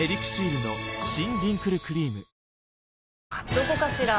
どこかしら？